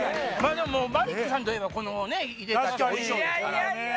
でもマリックさんといえばこのいでたちお衣装ですから。